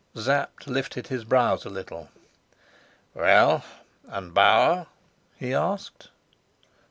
Sapt lifted his brows a little. "Well, and Bauer?" he asked.